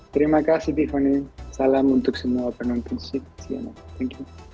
terima kasih tiffany salam untuk semua penonton cnn